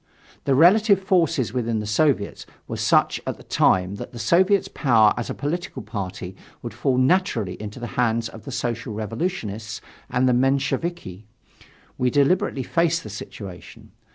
The relative forces within the Soviets were such at the time that the Soviet's power as a political party would fall naturally into the hands of the Social Revolutionists and the Mensheviki. We deliberately faced the situation.